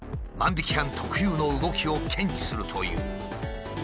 万引き犯特有の動きを検知するという。